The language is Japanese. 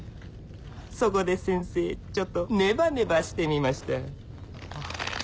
そこで先生ちょっとネバネバしてみました